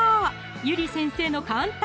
ゆり先生の簡単！